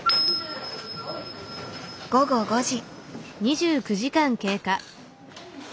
午後５時。